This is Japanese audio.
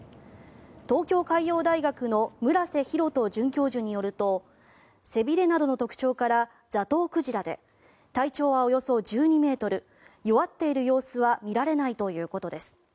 東京海洋大学の村瀬弘人准教授によると背びれなどの特徴からザトウクジラで体長はおよそ１２ｍ弱っている様子は見られないということです。